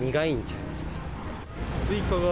スイカが。